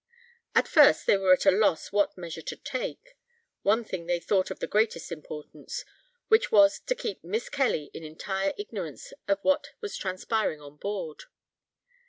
At first they were at a loss what measures to take: one thing they thought of the greatest importance, which was to keep Miss Kelly in entire ignorance of what was transpiring on board.